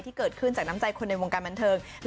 ที่เกิดขึ้นจากน้ำใจคนในวงการบันเทิง